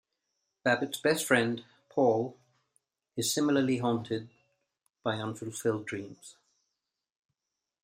Babbitt's best friend, Paul, is similarly haunted by unfulfilled dreams.